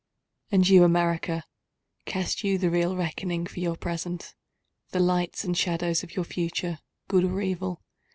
And you, America, Cast you the real reckoning for your present? The lights and shadows of your future—good or evil?